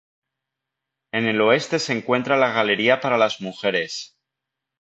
En el oeste se encuentra la galería para las mujeres.